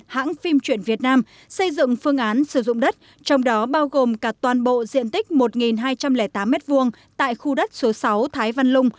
hãng phim truyện việt nam xây dựng phương án sử dụng đất trong đó bao gồm cả toàn bộ diện tích một hai trăm linh tám m hai tại khu đất số sáu thái văn lung